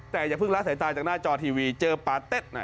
แต่อย่าเพิ่งละสายตาจากหน้าจอทีวีเจอปาเต็ดนะ